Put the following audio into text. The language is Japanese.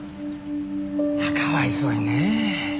かわいそうにねぇ。